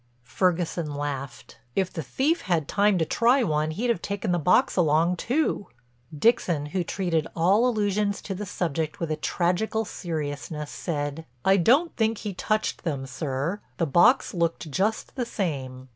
Ferguson laughed: "If the thief had had time to try one he'd have taken the box along too." Dixon, who treated all allusions to the subject with a tragical seriousness, said: "I don't think he touched them, sir. The box looked just the same.